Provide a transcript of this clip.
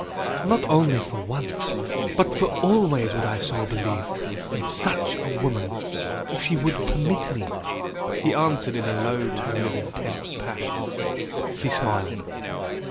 "Not only for once but for always would I so believe! in SUCH a woman if she would permit me!" he answered in a low tone of intense passion. She smiled.